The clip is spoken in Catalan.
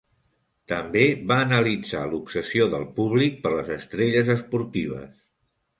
També va analitzar l'obsessió del públic per les estrelles esportives.